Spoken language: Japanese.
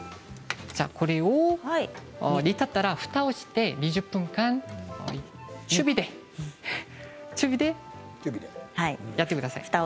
これを煮立ったらふたをして２０分間、中火でやってください。